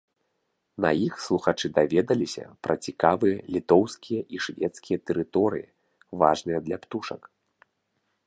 На іх слухачы даведаліся пра цікавыя літоўскія і шведскія тэрыторыі, важныя для птушак.